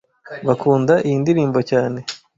Bakunda iyi ndirimbo cyane